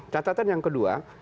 catatan yang kedua